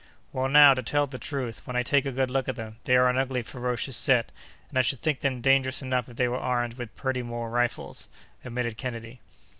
"Well, now, to tell the truth, when I take a good look at them, they are an ugly, ferocious set, and I should think them dangerous enough if they were armed with Purdy Moore rifles," admitted Kennedy.